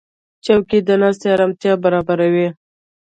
چوکۍ د ناستې آرامتیا برابروي.